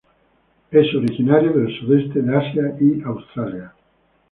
Es originario del Sudeste de Asia y Australia.